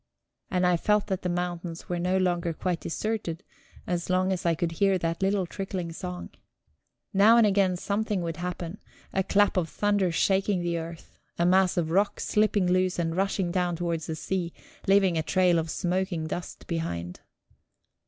And I felt that the mountains were no longer quite deserted, as long as I could hear that little trickling song. Now and again something would happen: a clap of thunder shaking the earth, a mass of rock slipping loose and rushing down towards the sea, leaving a trail of smoking dust behind.